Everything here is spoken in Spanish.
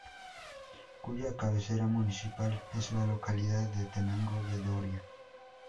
Cuya cabecera municipal es la localidad de Tenango de Doria.